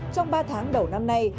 trong ba tháng đầu năm nay